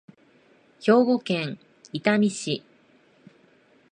兵庫県伊丹市